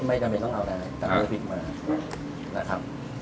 ไม่จำเป็นต้องเอาได้ตักเนื้อพริกมานะครับ